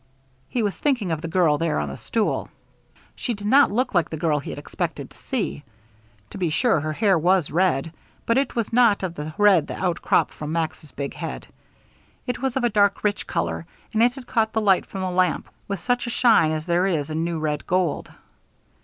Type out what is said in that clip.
He was thinking of the girl there on the stool. She did not look like the girl he had expected to see. To be sure her hair was red, but it was not of the red that outcropped from Max's big head; it was of a dark, rich color, and it had caught the light from the lamp with such a shine as there is in new red gold.